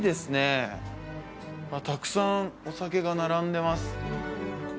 たくさんお酒が並んでます